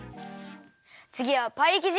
つぎはパイきじ。